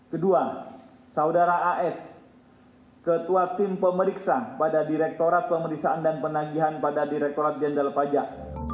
kedua saudara as ketua tim pemeriksa pada direktorat pemeriksaan dan penagihan pada direktorat jenderal pajak